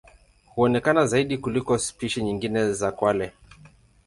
Huonekana zaidi kuliko spishi nyingine za kwale.